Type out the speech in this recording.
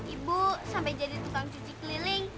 ibu sampai jadi tukang cuci keliling